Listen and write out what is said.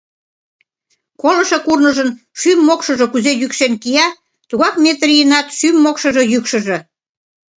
Колышо курныжын шӱм-мокшыжо кузе йӱкшен кия, тугак Метрийынат шӱм-мокшыжо йӱкшыжӧ!